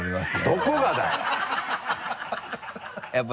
どこがよ？